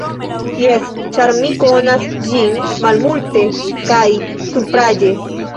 Jes, ĉar mi konas ĝin malmulte kaj supraĵe.